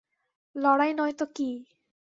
লড়াই নয় তো কী?